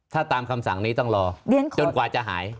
ถ้าตามคำสั่งนี้ต้องรอจนกว่าจะหาย